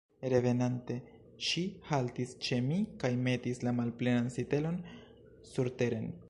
Revenante, ŝi haltis ĉe mi kaj metis la malplenan sitelon surteren.